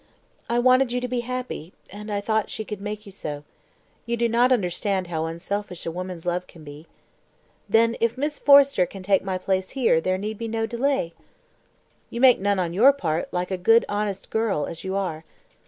"I wanted you to be happy, and I thought she could make you so. You do not understand how unselfish a woman's love can be. Then, if Miss Forrester can take my place here, there need be no delay." "You make none on your part, like a good, honest girl, as you are."